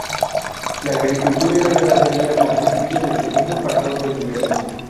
La agricultura y la ganadería constituyen el segundo factor de ingresos.